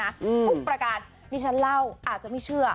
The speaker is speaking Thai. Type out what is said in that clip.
ทุกประการที่ฉันเล่าอาจจะไม่เชื่อ